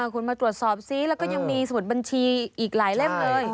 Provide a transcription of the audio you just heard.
คุณมาตรวจสอบซิแล้วก็ยังมีสมุดบัญชีอีกหลายเล่มเลย